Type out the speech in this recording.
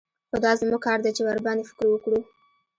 خو دا زموږ کار دى چې ورباندې فکر وکړو.